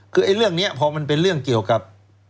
คือเรื่องนี้พอมันเป็นเรื่องเกี่ยวกับ